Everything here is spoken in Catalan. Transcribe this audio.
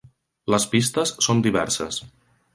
Les pistes són diverses.